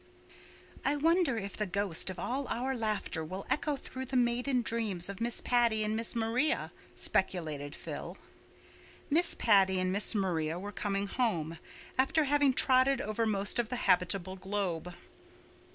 "I wonder if the ghost of all our laughter will echo through the maiden dreams of Miss Patty and Miss Maria," speculated Phil. Miss Patty and Miss Maria were coming home, after having trotted over most of the habitable globe.